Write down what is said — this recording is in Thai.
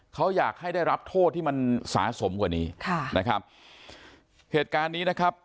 เขาอยากให้ได้รับโทษที่มันสะสมกว่านี้ค่ะนะครับเหตุการณ์นี้นะครับ